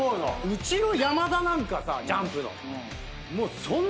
うちの山田なんかさＪＵＭＰの。